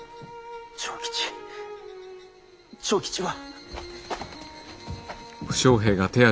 長吉長吉は！